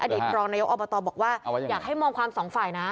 รองนายกอบตบอกว่าอยากให้มองความสองฝ่ายนะ